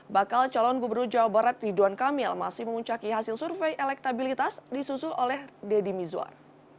bakal calon gubernur jawa barat ridwan kamil masih memuncaki hasil survei elektabilitas disusul oleh deddy mizwar